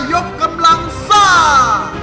ยกกำลังซ่า